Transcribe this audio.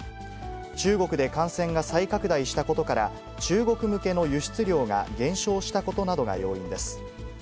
中国で感染が再拡大したことから、中国向けの輸出量が減少したことなどが要因です。